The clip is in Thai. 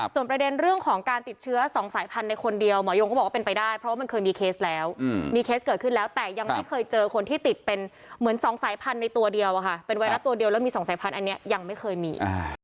ส่วนประเด็นเรื่องของการติดเชื้อ๒สายพันธุ์ในคนเดียวหมอยงก็บอกว่าเป็นไปได้เพราะว่ามันเคยมีเคสแล้วมีเคสเกิดขึ้นแล้วแต่ยังไม่เคยเจอคนที่ติดเป็นเหมือน๒สายพันธุ์ในตัวเดียวเป็นไวรัสตัวเดียวแล้วมี๒สายพันธุ์อันนี้ยังไม่เคยมี